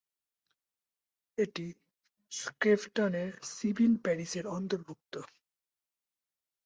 এটি স্ক্রেভটনের civil parish এর অন্তর্ভুক্ত।